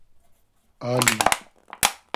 آلی